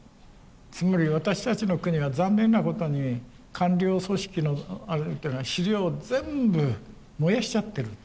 つまり私たちの国は残念なことに官僚組織のあれっていうのは資料を全部燃やしちゃってる。